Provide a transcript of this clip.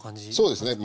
そうですね。